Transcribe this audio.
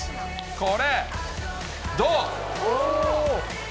これ、どう？